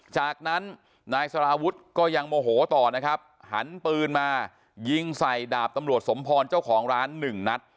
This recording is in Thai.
จากนั้นนายสารวุฒิก็ยังโมโหต่อนะครับหันปืนมายิงใส่ดาบตำรวจสมพรเจ้าของร้านหนึ่งนัด